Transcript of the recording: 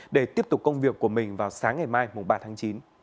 để tiếp tục công việc của mình vào sáng ngày mai mùng ba tháng chín